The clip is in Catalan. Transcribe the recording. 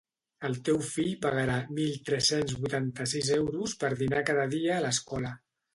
El teu fill pagarà mil tres-cents vuitanta-sis euros per dinar cada dia a escola